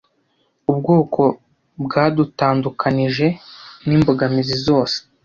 ubwoko bwadutandukanije nimbogamizi zose